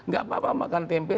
gak apa apa makan tempe